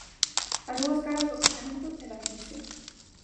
As duas caras do crecemento e da crise